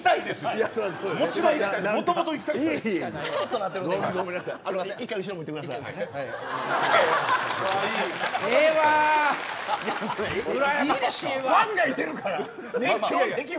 熱狂的ファンがいてるから。